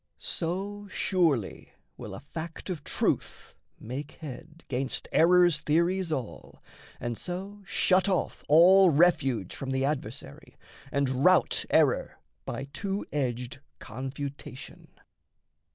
So surely will a fact of truth make head 'Gainst errors' theories all, and so shut off All refuge from the adversary, and rout Error by two edged confutation.